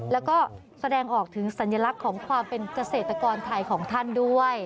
แล้วก็แสดงออกถึงสัญลักษณ์ของความเป็นเกษตรกรไทยของท่านด้วย